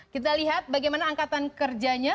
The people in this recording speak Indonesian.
kita lihat bagaimana angkatan kerjanya